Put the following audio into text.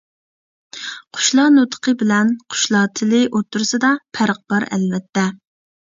«قۇشلار نۇتقى» بىلەن «قۇشلار تىلى» ئوتتۇرىسىدا پەرق بار، ئەلۋەتتە!